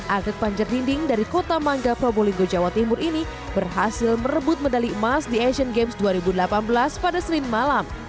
atlet panjer dinding dari kota mangga probolinggo jawa timur ini berhasil merebut medali emas di asian games dua ribu delapan belas pada senin malam